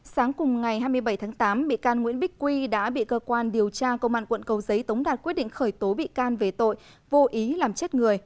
sáng cùng ngày hai mươi bảy tháng tám bị can nguyễn bích quy đã bị cơ quan điều tra công an quận cầu giấy tống đạt quyết định khởi tố bị can về tội vô ý làm chết người